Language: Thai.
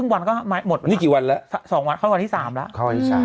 ๒วันเข้าวันที่๓แล้ว